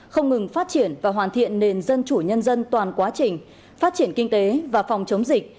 không ngừng phát triển và hoàn thiện nền dân chủ nhân dân toàn quá trình phát triển kinh tế và phòng chống dịch